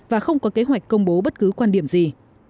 và không có kế hoạch công bố bất cứ quan điểm gì